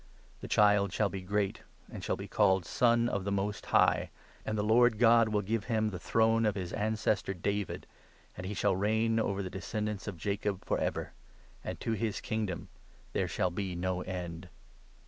The child shall be K;at and shall be called 'Son of the Most High,' and the rd God will give him the throne of his ancestor David, and he shall reign over the descendants of Jacob for ever ; and to his kingdom there shall be no end."